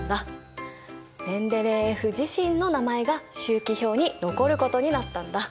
メンデレーエフ自身の名前が周期表に残ることになったんだ。